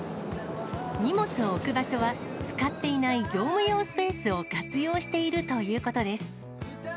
荷物を置く場所は、使っていない業務用スペースを活用しているということです。